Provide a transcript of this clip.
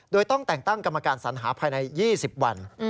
โดยต้องแต่งตั้งกรรมการสัญหาภายใน๒๐วัน